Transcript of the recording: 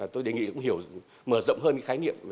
tôi đề nghị cũng hiểu mở rộng hơn cái khái niệm